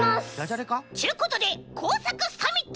ちゅうことでこうさくサミット！